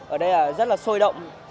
ở đây là rất là sôi động